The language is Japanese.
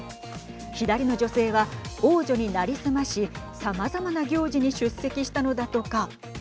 左の女性は、王女に成り済ましさまざまな行事に出席したのだとか。